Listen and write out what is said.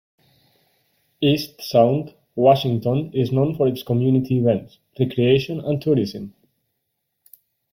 Eastsound, Washington is known for its community events, recreation and tourism.